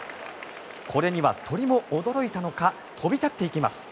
これには鳥も驚いたのか飛び立っていきます。